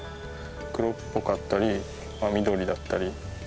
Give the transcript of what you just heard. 黒っぽかったり緑だったり黄色っぽく。